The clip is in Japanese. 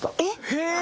へえ！